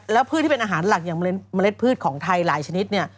แล้วพืชที่เป็นอาหารหลักอย่างเมล็ดพืชของไทยหลายชนิดเนี่ย